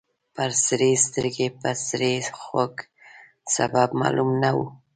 په سرې سترګې به سړی خوړ. سبب معلوم نه و.